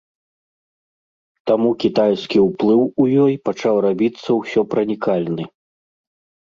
Таму кітайскі ўплыў у ёй пачаў рабіцца ўсёпранікальны.